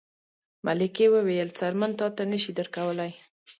ملکې وویل څرمن تاته نه شي درکولی.